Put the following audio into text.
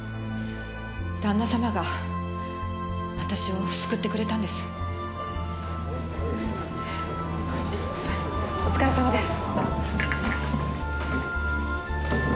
旦那さまが私を救ってくれたんですお疲れさまです